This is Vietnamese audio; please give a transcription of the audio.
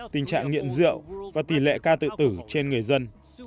tình trạng nghiện rượu và tỷ lệ ca tự tử trên người dân